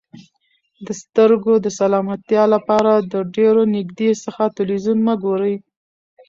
د سترګو د سلامتیا لپاره د ډېر نږدې څخه تلویزیون مه ګورئ.